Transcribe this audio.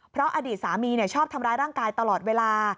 เพราะอดีตสามีชอบทำร้ายร่างกายตลอดเวลา